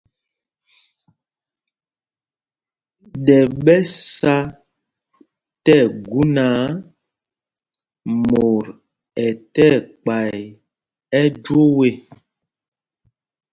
Ɗɛ ɓɛ sá tí ɛgu náǎ, mot ɛ tí ɛkpay ɛjwoo ê.